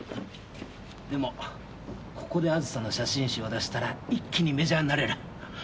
でもここであずさの写真集を出したら一気にメジャーになれる。